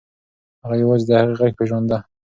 هغه یوازې د هغې غږ پیژانده.